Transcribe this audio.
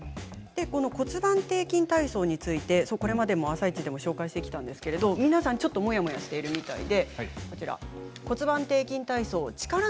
骨盤底筋体操はこれまでも「あさイチ」で紹介してきたんですが、皆さんモヤモヤしているみたいで。